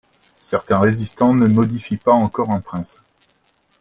Certains résistants ne modifient pas encore un prince.